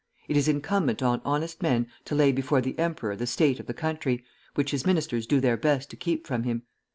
It is incumbent on honest men to lay before the emperor the state of the country, which his ministers do their best to keep from him.